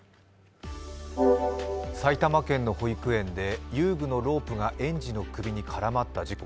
埼玉県の保育園で遊具のロープが園児の首に絡まった事故。